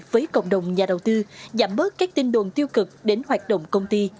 với cộng đồng nhà đầu tư giảm bớt các tin đồn tiêu cực đến hoạt động công ty